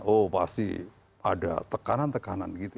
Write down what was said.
oh pasti ada tekanan tekanan gitu